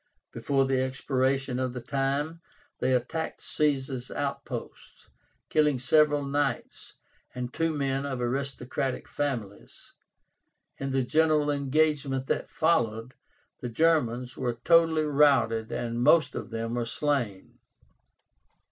Before the expiration of the time, they attacked Caesar's outposts, killing several Knights, and two men of aristocratic families. In the general engagement that followed, the Germans were totally routed and most of them were slain.